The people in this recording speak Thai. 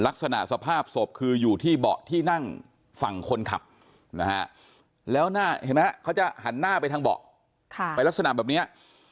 ลักษณะสภาพศพคืออยู่ที่เบาะที่นั่งฝั่งคนขับนะฮะแล้วเห็นไหมเขาจะหันหน้าไปทางเบาะไปลักษณะแบบนี้